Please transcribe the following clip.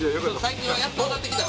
最近やっとわかってきた。